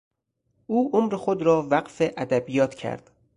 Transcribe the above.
او عمر خود را وقف ادبیات کرد.